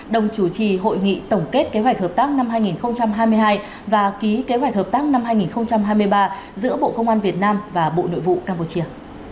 đồng chủ trì hội nghị tổng kết kế hoạch hợp tác năm hai nghìn hai mươi hai và ký kế hoạch hợp tác năm hai nghìn hai mươi ba giữa bộ công an việt nam và bộ nội vụ campuchia